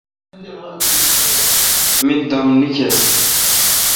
می دم نکیس۔